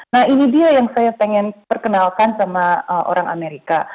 nah ini dia yang saya pengen perkenalkan sama orang amerika